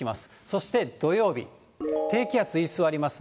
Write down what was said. そして土曜日、低気圧居座ります。